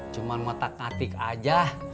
cuma otak atik aja